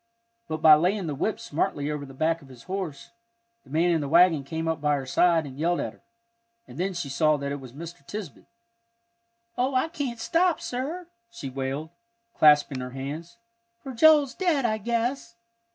But by laying the whip smartly over the back of his horse, the man in the wagon came up by her side and yelled at her, and then she saw that it was Mr. Tisbett. "Oh, I can't stop, sir!" she wailed, clasping her hands, "for Joel's dead, I guess."